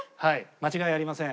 間違いありません。